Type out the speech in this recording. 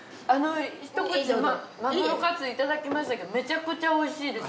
ひと口マグロカツいただきましたけどめちゃくちゃおいしいです。